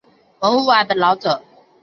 文化功劳者。